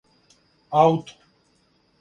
Ауто